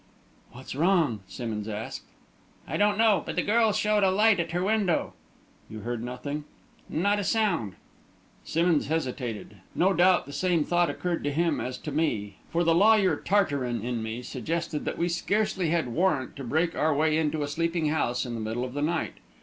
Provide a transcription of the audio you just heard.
"What's wrong?" Simmonds asked. "I don't know but the girl showed a light at her window." "You heard nothing?" "Not a sound." Simmonds hesitated. No doubt the same thought occurred to him as to me; for the lawyer Tartarin in me suggested that we scarcely had warrant to break our way into a sleeping house in the middle of the night.